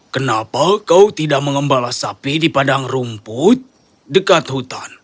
kenapa kau tidak mengembala sapi di padang rumput dekat hutan